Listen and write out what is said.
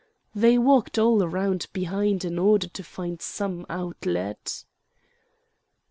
They walked all round behind in order to find some outlet.